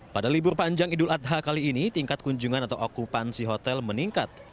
pada libur panjang idul adha kali ini tingkat kunjungan atau okupansi hotel meningkat